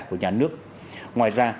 của nhà nước ngoài ra